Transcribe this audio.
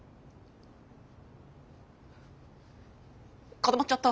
固まっちゃった。